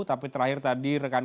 tapi terakhir tadi rekan